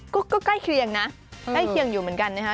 ก็ใกล้เคียงนะใกล้เคียงอยู่เหมือนกันนะคะ